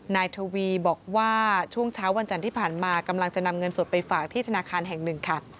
นายทวีบอกว่าช่วงเช้าวันจันทร์ที่ผ่านมากำลังจะนำเงินสดไปฝากที่ธนาคารแห่งหนึ่งค่ะ